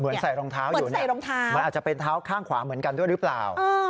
ใส่รองเท้าอยู่เนี่ยมันอาจจะเป็นเท้าข้างขวาเหมือนกันด้วยหรือเปล่า